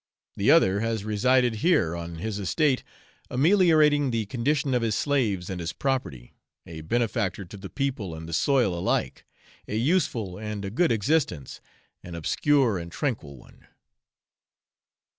The other has resided here on his estate ameliorating the condition of his slaves and his property, a benefactor to the people and the soil alike a useful and a good existence, an obscure and tranquil one.